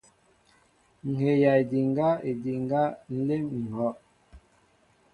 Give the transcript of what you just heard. Ŋhɛjaʼédiŋga, édiŋga nlém ŋhɔʼ.